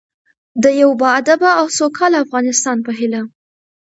د یو باادبه او سوکاله افغانستان په هیله.